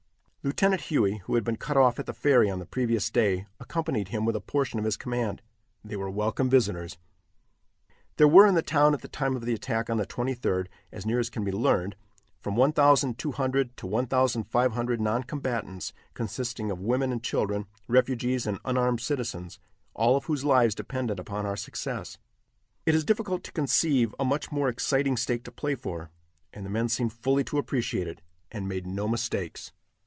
Lieutenant Huey, who had been cut off at the ferry on the previous day, accompanied him with a portion of his command. They were welcome visitors. There were in the town at the time of the attack on the 23d, as near as can be learned, from 1,200 to 1,500 noncombatants, consisting of women and children, refugees and unarmed citizens, all of whose lives depended upon our success. It is difficult to conceive a much more exciting stake to play for, and the men seemed fully to appreciate it, and made no mistakes.